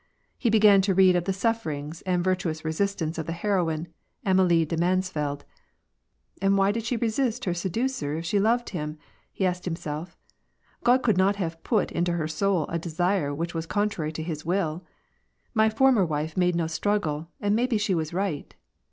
He began to lead of the sufferings and virtuous resistance of the heroine, Am^lie de Mansf eld. " And why did she resist her seducer if she loved him ?" he asked himself. " God could not have put into her soul a desire which was contrary to his will. My former wife made no struggle, and maybe she was right.